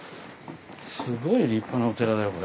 すごい立派なお寺だよこれ。